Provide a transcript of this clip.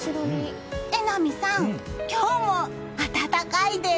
榎並さん、今日も暖かいです！